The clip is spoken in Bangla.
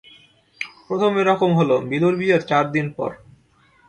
প্রথম এ রকম হলো বিলুর বিয়ের চার দিন পর।